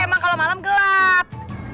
emang kalau malam gelap